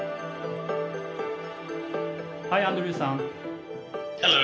ハイアンドリューさん。